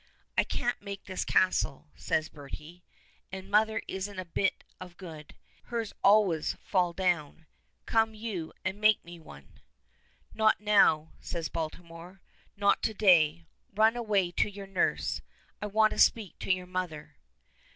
"I can't make this castle," says Bertie, "and mother isn't a bit of good. Hers always fall down; come you and make me one." "Not now," says Baltimore. "Not to day. Run away to your nurse. I want to speak to your mother."